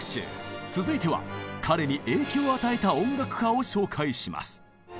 続いては彼に影響を与えた音楽家を紹介します。